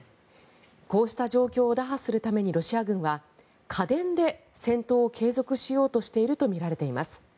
こうした状況を打破するためにロシア軍は家電で戦闘を継続しようとしているとみられています。